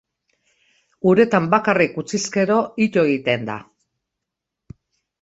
Uretan bakarrik utziz gero, ito egiten da.